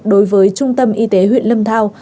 đối với trung tâm y tế huyện lâm thao